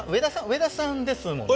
上田さんですもんね？